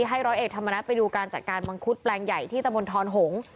ร้อยเอกธรรมนัฐไปดูการจัดการมังคุดแปลงใหญ่ที่ตะมนตอนหงษ์